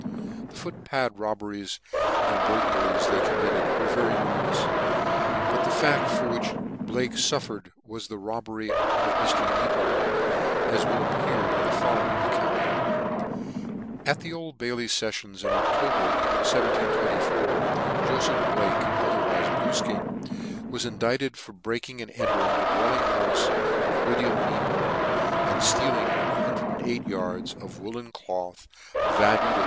The foot pad robberies and burglaries they committed were very numerous , but the fact for which Blake fullered was the robbery of Mr. Kneebone, as will appear by the following account. At the Old Bailey feffions, in October, 1724, Jofeph Blake otherwife Bluefkin, was indicted for breaking and entering the dwelling houfe of William Kneebone, and ftealing 108 yards of woollen cloth, value 36!.